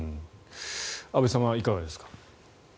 安部さんはいかがですか。